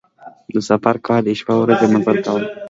د سفر کار دی شپه او ورځ یې مزل کاوه.